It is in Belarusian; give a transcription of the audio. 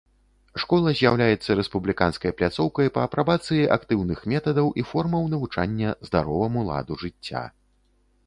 Школа з'яўляецца рэспубліканскай пляцоўкай па апрабацыі актыўных метадаў і формаў навучання здароваму ладу жыцця.